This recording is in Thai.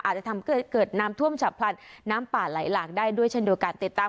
อาจจะทำให้เกิดน้ำท่วมฉับพลันน้ำป่าไหลหลากได้ด้วยเช่นเดียวกันติดตาม